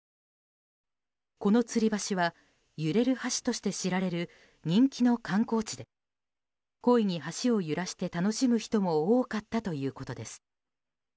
このつり橋は揺れる橋として知られる人気の観光地で故意に橋を揺らして楽しむ人も多かったということです。